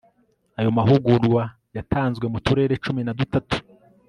ayo mahugurwa yatanzwe mu turere cumin a dutatu